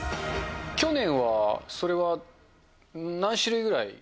去年はそれは何種類ぐらい？